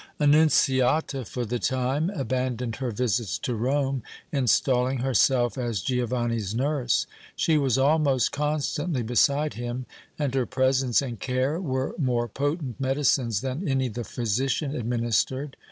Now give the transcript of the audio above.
Annunziata for the time abandoned her visits to Rome, installing herself as Giovanni's nurse. She was almost constantly beside him, and her presence and care were more potent medicines than any the physician administered.